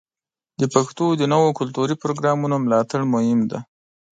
د پښتو د نویو کلتوري پروګرامونو ملاتړ مهم دی.